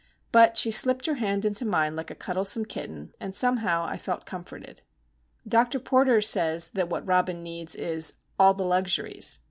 But she slipped her hand into mine like a cuddlesome kitten, and somehow I felt comforted. Dr. Porter says that what Robin needs is "all the luxuries."